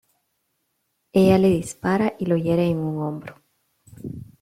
Ella le dispara y lo hiere en un hombro.